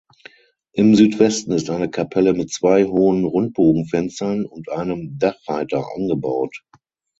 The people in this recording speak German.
Im Südwesten ist eine Kapelle mit zwei hohen Rundbogenfenstern und einem Dachreiter angebaut.